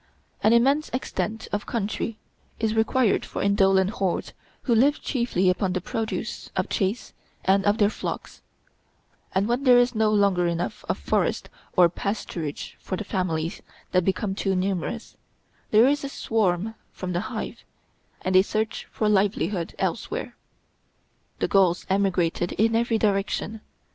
An immense extent of country is required for indolent hordes who live chiefly upon the produce of the chase and of their flocks; and when there is no longer enough of forest or pasturage for the families that become too numerous, there is a swarm from the hive, and a search for livelihood elsewhere. The Gauls emigrated in every direction.